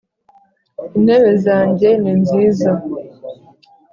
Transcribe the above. intebe zanjye ni nziza